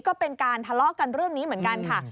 ก็เป็นการทะเลาะกันเรื่องนี้เหมือนกันค่ะ